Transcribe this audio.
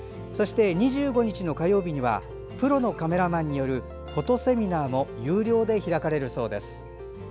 そして２５日の火曜日にはプロのカメラマンによるフォトセミナーも有料で開かれるそうです。